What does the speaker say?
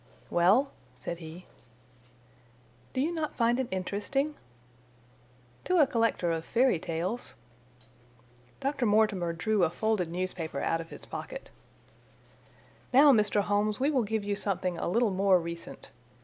"Well?" said he. "Do you not find it interesting?" "To a collector of fairy tales." Dr. Mortimer drew a folded newspaper out of his pocket. "Now, Mr. Holmes, we will give you something a little more recent.